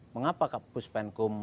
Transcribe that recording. mengapa kapus penkum